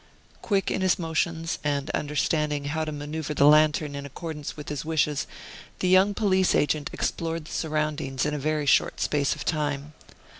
Quick in his motions, and understanding how to maneuvre the lantern in accordance with his wishes, the young police agent explored the surroundings in a very short space of time.